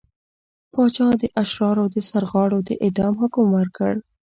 پاچا د اشرارو د سرغاړو د اعدام حکم ورکړ.